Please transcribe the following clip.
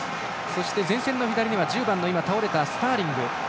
そして前線の左には１０番のスターリング。